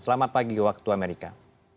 selamat pagi wak ketua amerika